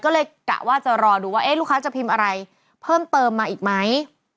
ก็เลยกะว่าจะรอดูว่าลูกค้าจะพิมพ์อะไรเพิ่มเติมมาอีกไหม